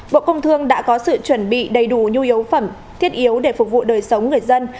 bộ công thương đã có sự chuẩn bị đầy đủ nhu yếu phẩm thiết yếu để phục vụ đời sống người dân